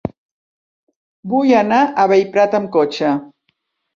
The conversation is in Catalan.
Vull anar a Bellprat amb cotxe.